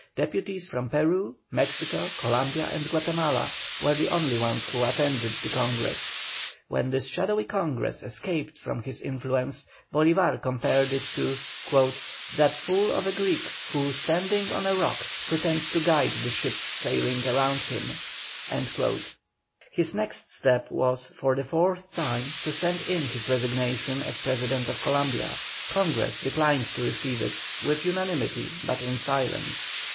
Deputies from Peru, Mexico, Columbia, and Guatemala were the only ones who attended the Congress. When this shadowy Congress escaped from his influence Bolívar compared it to "that fool of a Greek, who, standing on a rock, pretended to guide the ships sailing round him." His next step was, for the fourth time, to send in his resignation as President of Columbia. Congress declined to receive it with unanimity, but in silence.